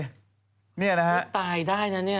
เช่นนี้ตายได้นะเนี่ย